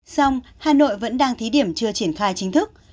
xong hà nội vẫn đang thí điểm chưa triển khai chính thức